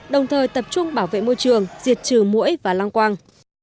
đồng thời tập trung bảo vệ môi trường diệt trừ mũi và lăng quang